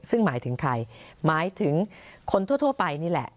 ซึ่งหมายถึงใครหมายถึงคนทั่วไปนี่แหละ